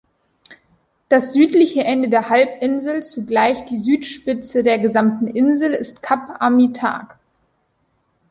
Das südliche Ende der Halbinsel, zugleich die Südspitze der gesamten Insel, ist Kap Armitage.